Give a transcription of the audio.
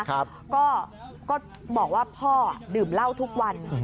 ก็บอกว่าพ่อดื่มเหล้าทุกวัน